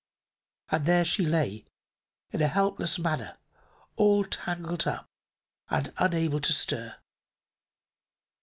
And there she lay, in a helpless manner, all tangled up and unable to stir.